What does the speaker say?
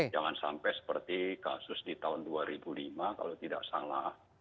jangan sampai seperti kasus di tahun dua ribu lima kalau tidak salah